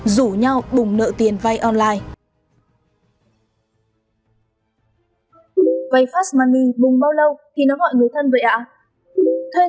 rủ nhau bùng nợ tiền vay online